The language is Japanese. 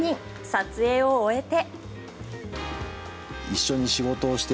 撮影を終えて。